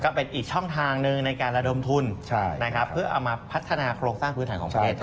ก็เป็นอีกช่องทางหนึ่งในการระดมทุนเพื่อเอามาพัฒนาโครงสร้างพื้นฐานของประเทศ